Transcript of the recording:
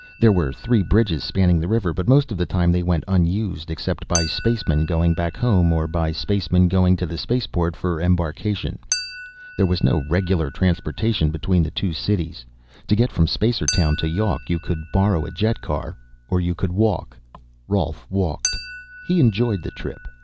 There were three bridges spanning the river, but most of the time they went unused, except by spacemen going back home or by spacemen going to the spaceport for embarkation. There was no regular transportation between the two cities; to get from Spacertown to Yawk, you could borrow a jetcar or you could walk. Rolf walked. He enjoyed the trip.